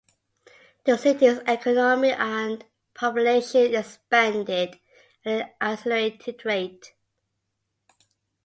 The city's economy and population expanded at an accelerated rate.